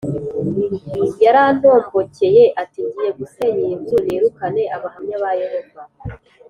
Yarantombokeye ati ngiye gusenya iyi nzu nirukane Abahamya ba Yehova